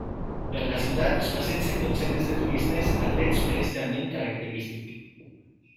Per la ciutat, es passegen dotzenes de turistes atrets per aquest ambient característic.